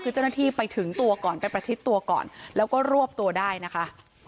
คือเจ้าหน้าที่ไปถึงตัวก่อนไปประชิดตัวก่อนแล้วก็รวบตัวได้นะคะ